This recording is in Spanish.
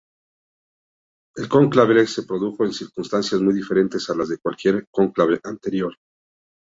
El cónclave se produjo en circunstancias muy diferentes a las de cualquier cónclave anterior.